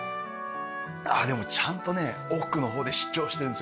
でもちゃんとね奥の方で主張してるんですよ。